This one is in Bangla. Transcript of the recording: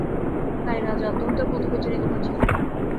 তাই রাজা আত্মহত্যার পথও বেঁছে নিতে পারছেন না।